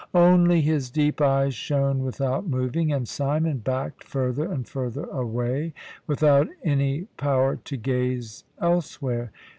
Only his deep eyes shone without moving; and Simon backed further and further away, without any power to gaze elsewhere.